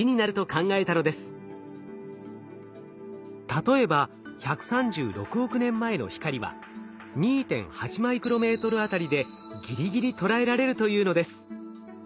例えば１３６億年前の光は２．８マイクロメートルあたりでぎりぎり捉えられるというのです。